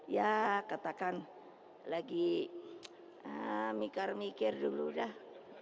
ya katakan lagi mikir mikir dulu dah